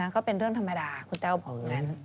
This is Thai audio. ก็เป็นเรื่องธรรมดาคุณแต้วบอกอย่างนั้น